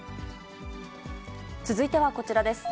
続いてはこちらです。